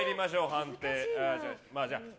判定。